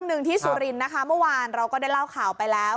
หนึ่งที่สุรินทร์นะคะเมื่อวานเราก็ได้เล่าข่าวไปแล้ว